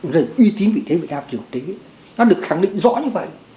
vấn đề y tín vị thế việt nam triều tế nó được khẳng định rõ như vậy